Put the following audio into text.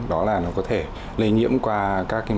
đó là nó có thể lây nhiễm qua các máy tính